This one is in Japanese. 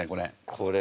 これ。